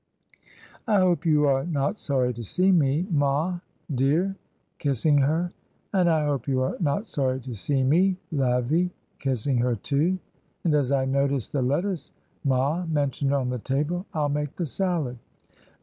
"'I hope you are not sorry to see me, ma, dear,' kiss ing her ;' and I hope you are not sorry to see me, Lawy,' kissing her too; 'and as I notice the lettuce ma men tioned, on the table, Fll make the salad.'